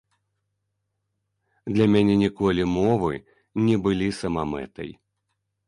Для мяне ніколі мовы не былі самамэтай.